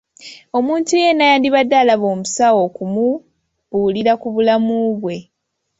Omuntu yenna yandibadde alaba omusawo okumubuulira ku bulamu bwe.